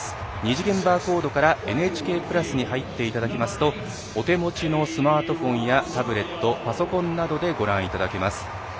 ２次元バーコードからＮＨＫプラスに入っていただきますとお手持ちのスマートフォンやタブレットパソコンなどでご覧いただけます。